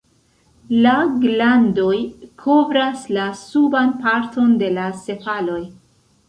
La glandoj kovras la suban parton de la sepaloj.